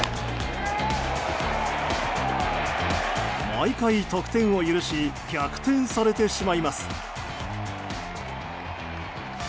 毎回、得点を許し逆転されてしまいます。